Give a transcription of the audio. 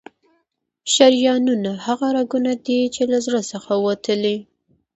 شریانونه هغه رګونه دي چې له زړه څخه وتلي.